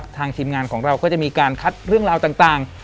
ทีมงานของเราก็จะมีการคัดเรื่องราวต่าง